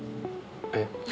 えっ？